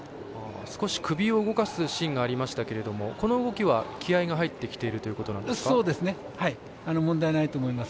少し首を動かすシーンがありましたけどもこの動きは気合いが入ってきている問題ないと思います。